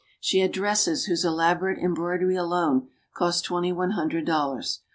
She had dresses whose elaborate embroidery alone cost twenty one hundred dollars.